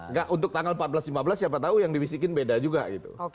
nggak untuk tanggal empat belas lima belas siapa tahu yang dibisikin beda juga gitu